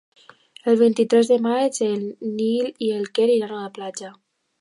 El vint-i-tres de maig en Nil i en Quer iran a la platja.